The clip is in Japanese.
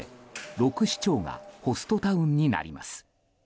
６市町がホストタウンになります。